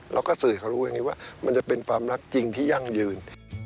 แล้วก็สื่อเขารู้อย่างนี้ว่ามันจะเป็นความรักจริงที่ยั่งยืน